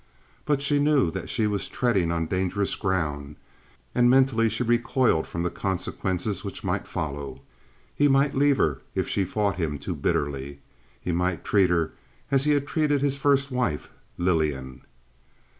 But she knew that she was treading on dangerous ground, and mentally she recoiled from the consequences which might follow. He might leave her if she fought him too bitterly. He might treat her as he had treated his first wife, Lillian.